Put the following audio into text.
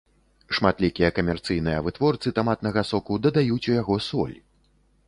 Шматлікія камерцыйныя вытворцы таматнага соку дадаюць у яго соль.